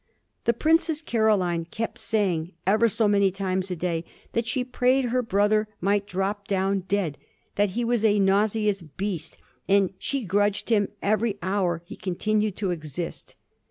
The Princess Caroline kept say ing ever so many times a day that she prayed her brother might drop down dead ; that he was a nauseous beast, and she grudged him every hour he continued to exist.